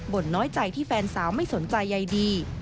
่นน้อยใจที่แฟนสาวไม่สนใจใยดี